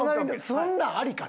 そんなんありか？